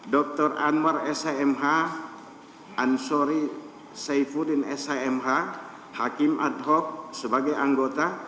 dr anwar shmh ansori saifuddin shmh hakim ad hoc sebagai anggota